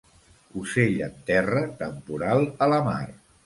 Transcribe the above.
Ocell en terra, temporal a la mar.